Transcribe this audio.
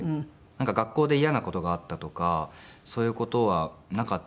学校で嫌な事があったとかそういう事はなかったんですけど。